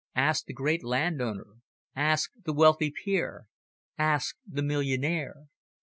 Ask the great landowner; ask the wealthy peer; ask the millionaire.